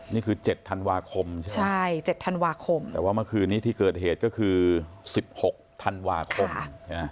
นี่คือ๗ธันวาคมใช่ไหมใช่๗ธันวาคมแต่ว่าเมื่อคืนนี้ที่เกิดเหตุก็คือ๑๖ธันวาคม